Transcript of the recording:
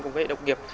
cùng với đồng nghiệp